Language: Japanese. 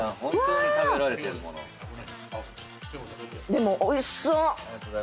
でもおいしそう！